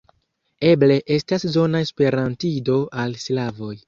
Eble estas zona esperantido al slavoj.